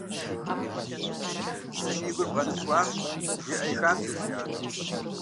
«Зыми и гур бгъэныщкӏуакъым», жиӏэ и хабзэт си анэм.